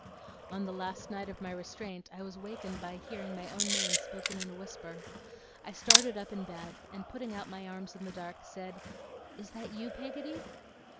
On the last night of my restraint, I was awakened by hearing my own name spoken in a whisper. I started up in bed, and putting out my arms in the dark, said: 'Is that you, Peggotty?